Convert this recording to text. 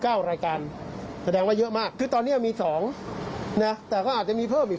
แล้วก็ไม่พบว่ามีการฟันหัดตามที่เป็นข่าวทางโซเชียลก็ไม่พบ